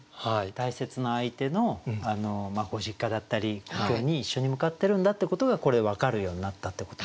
大切な相手のご実家だったり故郷に一緒に向かってるんだってことがこれで分かるようになったってことですね。